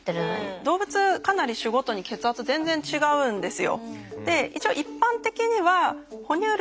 動物かなり種ごとに血圧全然違うんですよ。